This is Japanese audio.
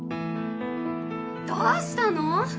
・どうしたの？